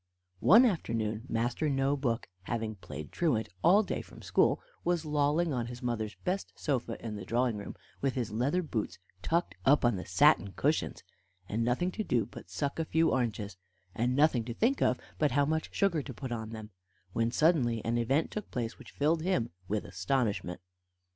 One afternoon Master No book, having played truant all day from school, was lolling on his mother's best sofa in the drawing room, with his leather boots tucked up on the satin cushions, and nothing to do but to suck a few oranges, and nothing to think of but how much sugar to put upon them, when suddenly an event took place which filled him with astonishment.